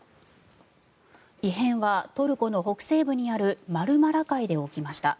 異変はトルコの北西部にあるマルマラ海で起きました。